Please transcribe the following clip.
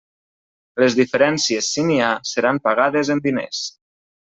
Les diferències, si n'hi ha, seran pagades en diners.